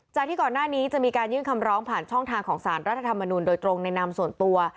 จากที่ก่อนหน้านี้จะมีการยื่นคำร้องผ่านช่องทางของสารรัฐธรรมนูลโดยตรงในนามส่วนตัว